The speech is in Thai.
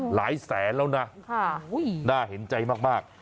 หลายแสนแล้วนะค่ะโอ้โหหน้าเห็นใจมาก